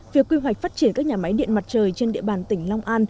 việc quy hoạch phát triển các nhà máy điện mặt trời trên địa bàn tỉnh long an